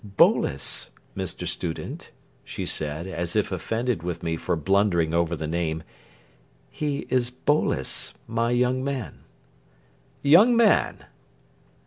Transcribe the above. "Boles, Mr. Student," she said, as if offended with me for blundering over the name, "he is Boles my young man." "Young man!"